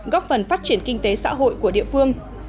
góp phần phát triển kinh tế xã hội của địa phương